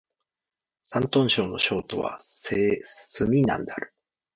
山東省の省都は済南である